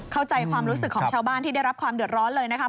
เข้าใจความรู้สึกของชาวบ้านที่ได้รับความเดือดร้อนเลยนะครับ